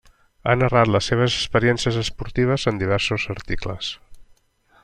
Ha narrat les seves experiències esportives en diversos articles.